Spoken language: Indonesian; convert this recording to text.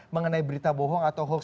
mengenai berita bohong atau hoax